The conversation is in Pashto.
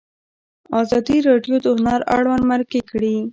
ازادي راډیو د هنر اړوند مرکې کړي.